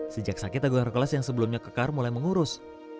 sejak sakit agung hercules yang sebelumnya kekar mulai mengurus